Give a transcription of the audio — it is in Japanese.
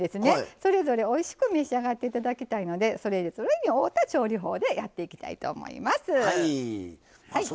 それぞれおいしく召し上がっていただきたいのでそれぞれに合うた調理法でやっていきたいと思います。